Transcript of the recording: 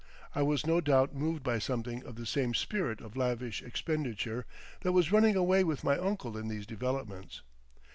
I was no doubt moved by something of the same spirit of lavish expenditure that was running away with my uncle in these developments.